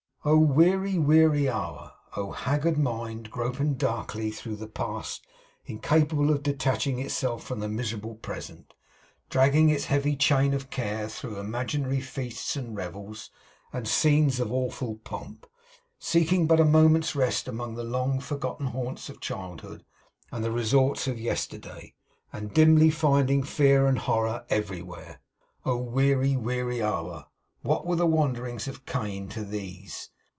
Oh, weary, weary hour! Oh, haggard mind, groping darkly through the past; incapable of detaching itself from the miserable present; dragging its heavy chain of care through imaginary feasts and revels, and scenes of awful pomp; seeking but a moment's rest among the long forgotten haunts of childhood, and the resorts of yesterday; and dimly finding fear and horror everywhere! Oh, weary, weary hour! What were the wanderings of Cain, to these!